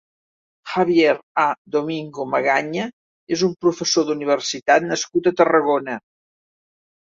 Javier Á Domingo Magaña és un professor d'universitat nascut a Tarragona.